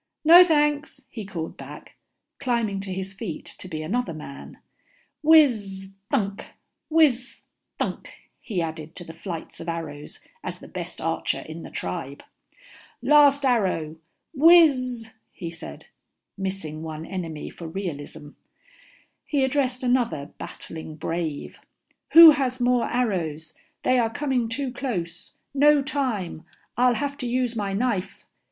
"No, thanks," he called back, climbing to his feet to be another man. "Wizzthunk, wizzthunk," he added to the flights of arrows as the best archer in the tribe. "Last arrow. Wizzzz," he said, missing one enemy for realism. He addressed another battling brave. "Who has more arrows? They are coming too close. No time I'll have to use my knife."